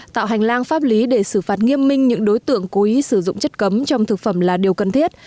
tạo hành lang pháp lý để xử phạt nghiêm minh những đối tượng cố ý sử dụng chất cấm trong thực phẩm là điều cần thiết